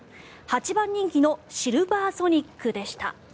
８番人気のシルヴァーソニックでした。